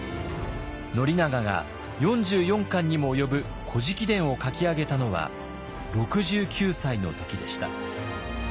宣長が４４巻にも及ぶ「古事記伝」を書き上げたのは６９歳の時でした。